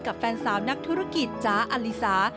แฟนสาวนักธุรกิจจ๋าอลิสา